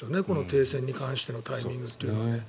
この停戦に関してのタイミングというのは。